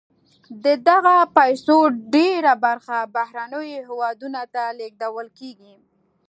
د دغه پیسو ډېره برخه بهرنیو هېوادونو ته لیږدول کیږي.